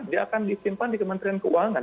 dia akan disimpan di kementerian keuangan